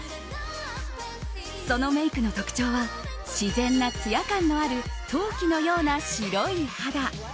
そのメイクの特徴は自然なツヤ感のある陶器のような白い肌。